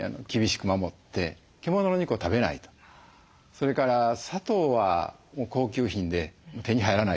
それから砂糖は高級品で手に入らないです。